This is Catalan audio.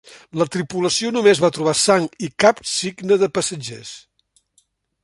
La tripulació només va trobar sang i cap signe dels passatgers.